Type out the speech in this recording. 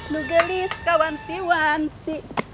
duh gelis kawanti wanti